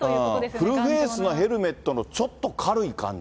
フルフェイスのヘルメットのちょっと軽い感じ。